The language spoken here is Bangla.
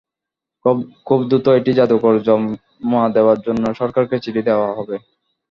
খুব দ্রুত এটি জাদুঘরে জমা দেওয়ার জন্য সরকারকে চিঠি দেওয়া হবে।